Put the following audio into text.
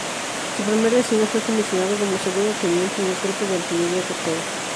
Su primer destino fue comisionado como segundo teniente en el Cuerpo de Artillería Costera.